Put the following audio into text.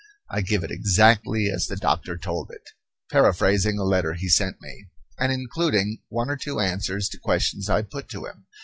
I give it exactly as the doctor told it; paraphrasing a letter he sent me, and including one or two answers to questions I put to him.